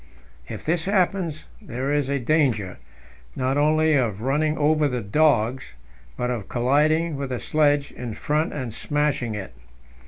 If this happens, there is a danger, not only of running over the dogs, but of colliding with the sledge in front and smashing it.